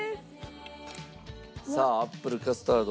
さあアップルカスタード。